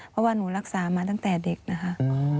เพราะว่าหนูรักษามาตั้งแต่เด็กนะคะ